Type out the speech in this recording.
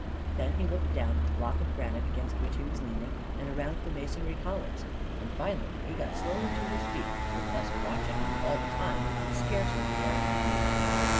Then he looked down at the block of granite against which he was leaning, and around at the masonry columns, and finally he got slowly to his feet; with us watch* ing him all the time, scarcely daring to breathe.